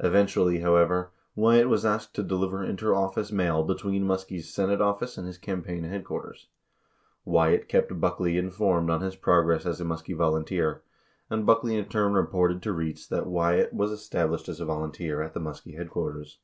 Eventually, however, Wyatt was asked to deliver inter office mail between Muskie's Senate office and his campaign headquarters. Wyatt kept Buckley informed on his progress as a Muskie volunteer, 18 and Buckley in turn reported to Rietz that Wyatt was established as a volunteer at the Muskie head quarters.